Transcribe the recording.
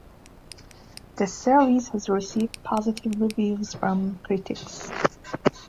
The series has received positive reviews from critics.